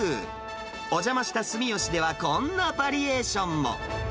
お邪魔したすみよしではこんなバリエーションも。